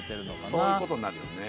そういうことになるよね